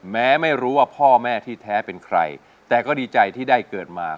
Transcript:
แม้ไม่รู้ว่าพ่อแม่ที่แท้เป็นใครแต่ก็ดีใจที่ได้เกิดมา